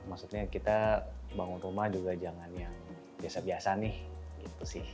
maksudnya kita bangun rumah juga jangan yang biasa biasa nih gitu sih